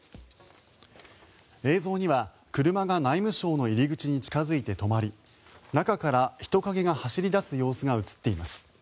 映像には、車が内務省の入り口に近付いて止まり中から人影が走り出す様子が映っています。